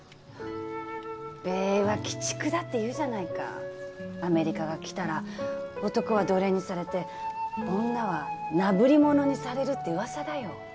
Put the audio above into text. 米英は鬼畜だっていうじゃないかアメリカが来たら男は奴隷にされて女はなぶりものにされるって噂だよ